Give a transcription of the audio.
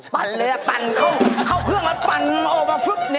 ปั่นเลยปั่นเข้าเครื่องมาปั่นออกมา